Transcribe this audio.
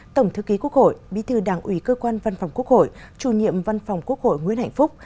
tổng thư ký quốc hội bí thư đảng ủy cơ quan văn phòng quốc hội chủ nhiệm văn phòng quốc hội nguyễn hạnh phúc